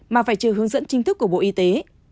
mà phải trừ hướng dẫn chính thức của bộ y tế